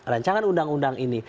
rancangan undang undang ini